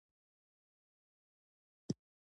کچالو د کلیو زېری دی